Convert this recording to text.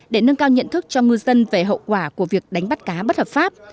để nâng cao nhận thức cho ngư dân về hậu quả của việc đánh bắt cá bất hợp pháp